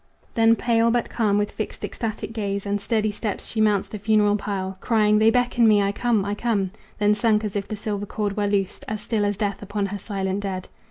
Then pale but calm, with fixed ecstatic gaze And steady steps she mounts the funeral pile, Crying, "They beckon me! I come! I come!" Then sunk as if the silver cord were loosed As still as death upon her silent dead.